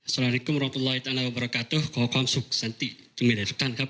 สวัสดีครับขอความสุขสันติทุกมีให้ทุกท่านครับ